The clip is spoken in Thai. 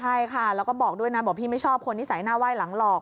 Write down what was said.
ใช่ค่ะแล้วก็บอกด้วยนะบอกพี่ไม่ชอบคนที่ใส่หน้าไห้หลังหรอก